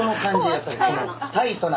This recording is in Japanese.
やっぱりこのタイトな」